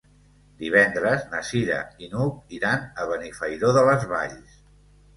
Divendres na Cira i n'Hug iran a Benifairó de les Valls.